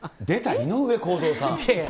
出た、井上公造さん。